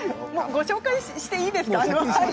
ご紹介していいですか。